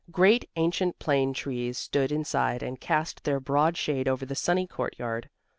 Great, ancient plane trees stood inside and cast their broad shade over the sunny courtyard.